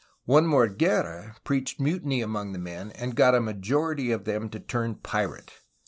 One Morguera preached mutiny among the men, and got a majority of them to turn pirate.